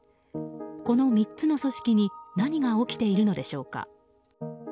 この３つの組織に何が起きているのでしょうか。